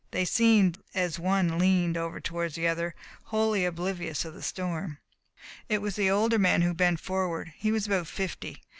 They seemed, as one leaned over toward the other, wholly oblivious of the storm. It was the older man who bent forward. He was about fifty.